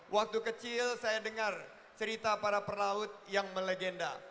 waktu kecil saya dengar cerita para perlaut yang melegenda